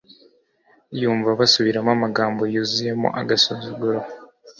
yumva basubiramo amagambo yuzuyemo agasuzuguro